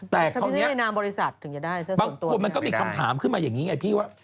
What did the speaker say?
แต่ของเนี่ยบางคนมันก็มีคำถามขึ้นมาอย่างนี้ไงพี่ว่า